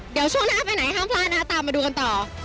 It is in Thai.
เดี๋ยวช่วงหน้าไปไหนห้ามพลาดนะคะตามมาดูกันต่อ